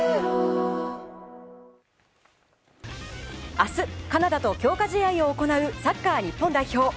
明日、カナダと強化試合を行うサッカー日本代表。